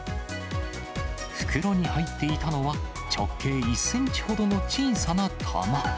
袋に入っていたのは、直径１センチほどの小さな玉。